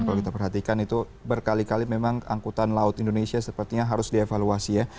kalau kita perhatikan itu berkali kali memang angkutan laut indonesia sepertinya harus dievaluasi ya